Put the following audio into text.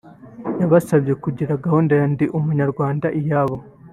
yabasabye kugira gahunda ya Ndi Umunyarwanda iyabo